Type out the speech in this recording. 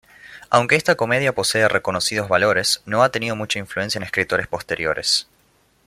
Aunque esta comedia posee reconocidos valores, no ha tenido mucha influencia en escritores posteriores.